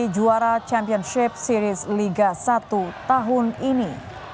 juara championship series liga satu tahun ini